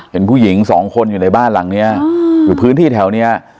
เห็นผู้หญิงสองคนอยู่ในบ้านหลังเนี้ยอยู่พื้นที่แถวเนี้ย